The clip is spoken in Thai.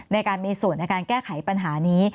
ในการมีส่วนในการแก้ไขปัญหานี้